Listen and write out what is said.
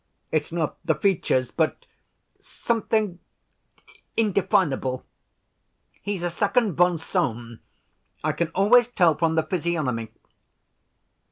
It's not the features, but something indefinable. He's a second von Sohn. I can always tell from the physiognomy."